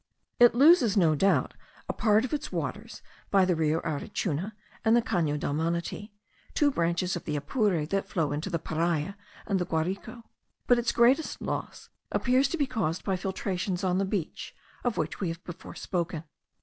It loses, no doubt, a part of its waters by the Rio Arichuna and the Cano del Manati, two branches of the Apure that flow into the Payara and the Guarico; but its greatest loss appears to be caused by filtrations on the beach, of which we have before spoken.